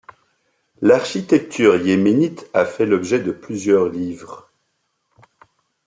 L'architecture yéménite a fait l'objet de plusieurs livres.